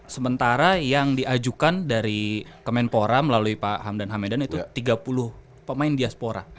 sementara yang diajukan dari kemenpora melalui pak hamdan hamedan itu tiga puluh pemain diaspora